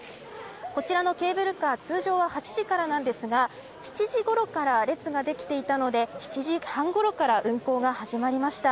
こちらのケーブルカー通常は８時からなんですが７時ごろから列ができていたので７時半ごろから運行が始まりました。